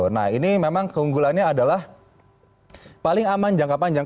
nah ini memang keunggulannya adalah paling aman jangka panjang